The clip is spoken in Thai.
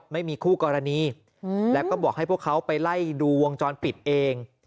ไม่มีคู่กรณีแล้วก็บอกให้พวกเขาไปไล่ดูวงจรปิดเอง